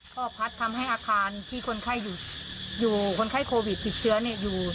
ก็พัดทำให้อาคารที่คนไข้อยู่คนไข้โควิดติดเชื้ออยู่